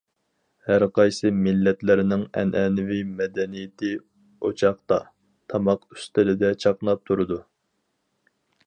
ھەر قايسى مىللەتلەرنىڭ ئەنئەنىۋى مەدەنىيىتى ئوچاقتا، تاماق ئۈستىلىدە چاقناپ تۇرىدۇ.